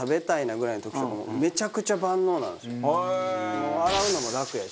もう洗うのも楽やし。